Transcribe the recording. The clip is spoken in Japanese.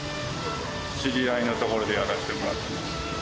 知り合いのところでやらせてもら